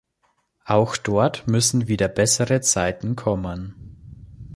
Auch dort müssen wieder bessere Zeiten kommen!